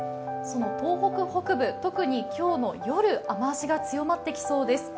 東北北部、特に今日の夜、雨足が強まってきそうです。